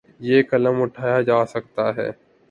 نہ قلم اٹھایا جا سکتا ہے۔